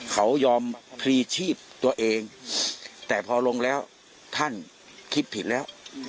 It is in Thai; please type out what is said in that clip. เขายอมพลีชีพตัวเองแต่พอลงแล้วท่านคิดผิดแล้ว